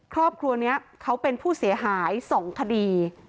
ครอบครัวนี้เขาเป็นผู้เสียหาย๒คดี